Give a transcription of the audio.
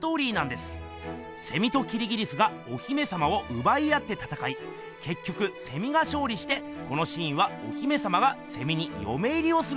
セミときりぎりすがお姫さまをうばい合ってたたかいけっきょくセミがしょうりしてこのシーンはお姫さまがセミによめ入りをするところです。